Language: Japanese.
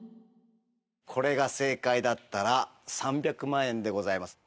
これが正解だったら３００万円でございます。